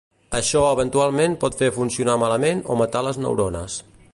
Això eventualment pot fer funcionar malament o matar les neurones.